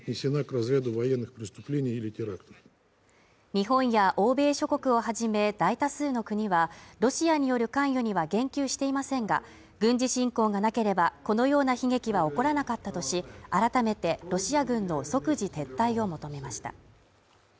日本や欧米諸国を初め、大多数の国はロシアによる関与には言及していませんが、軍事侵攻がなければ、このような悲劇は起こらなかったとし、改めてロシア軍の即時撤退を求めました。